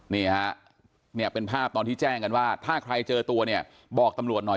นี่ฮะเนี่ยเป็นภาพตอนที่แจ้งกันว่าถ้าใครเจอตัวเนี่ยบอกตำรวจหน่อย